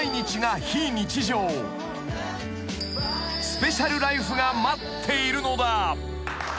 ［スペシャルライフが待っているのだ］